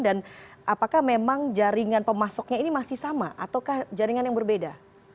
dan apakah memang jaringan pemasoknya ini masih sama atau jaringan yang berbeda